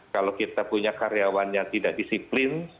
kalau kita punya karyawan yang tidak disiplin